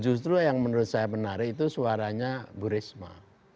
justru yang menurut saya menarik itu suaranya bu risma